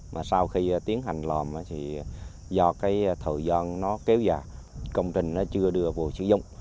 mà sau khi tiến hành lòm thì do cái thời gian nó kéo dài công trình nó chưa đưa vào sử dụng